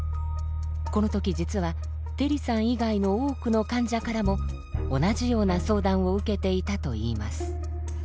この時実はテリさん以外の多くの患者からも同じような相談を受けていたといいます。